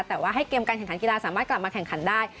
แต่ว่าให้เกมการแข่งขันกีฬาสามารถกลับมาแข่งขันได้